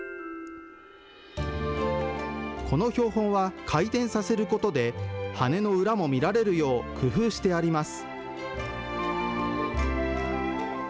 この標本は回転させることで羽の裏も見られるよう工夫してあります。